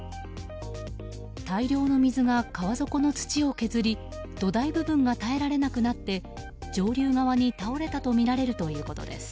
大量の水が川底の土を削り土台部分が耐えられなくなって上流側に倒れたとみられるということです。